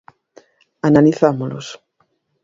Analizámolos.